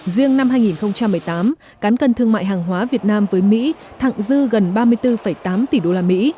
riêng năm hai nghìn một mươi tám cán cân thương mại hàng hóa việt nam với mỹ thẳng dư gần ba mươi bốn tám tỷ usd